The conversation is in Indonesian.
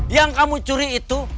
yang kamu curi itu